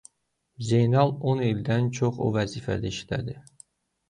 Zeynal on ildən çox o vəzifədə işlədi.